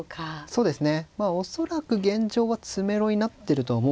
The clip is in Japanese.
そうですね